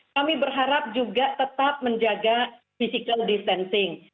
kami berharap juga tetap menjaga physical distancing